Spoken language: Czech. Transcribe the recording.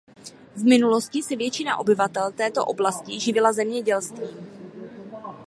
V minulosti se většina obyvatel této oblasti živila zemědělstvím.